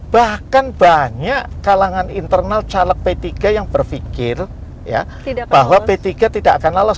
bahkan banyak kalangan internal caleg p tiga yang berpikir bahwa p tiga tidak akan lolos